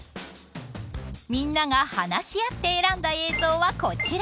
みんなが話し合って選んだ映像はこちら。